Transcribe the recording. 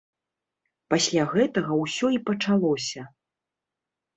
Пасля гэтага ўсё і пачалося.